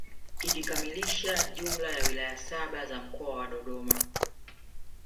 Ikikamilisha jumla ya wilaya saba za mkoa wa Dodoma